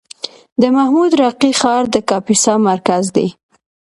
د محمود راقي ښار د کاپیسا مرکز دی